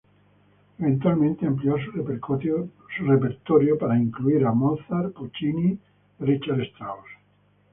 Eventualmente amplió su repertorio para incluir Mozart, Puccini y Richard Strauss.